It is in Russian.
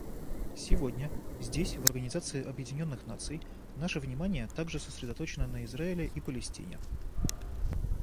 Сегодня здесь, в Организации Объединенных Наций, наше внимание также сосредоточено на Израиле и Палестине.